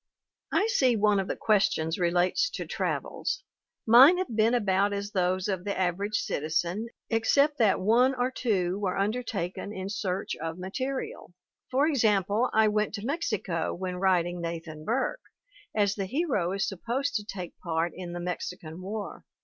"I see one of the questions relates to travels. Mine have been about as those of the average citizen, except that one or two were undertaken in search of ma terial. For example, I went to Mexico when writing Nathan Burke, as the hero is supposed to take part in the Mexican War.